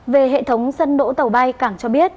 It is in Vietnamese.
về hệ thống sân đỗ tàu bay cảng cho biết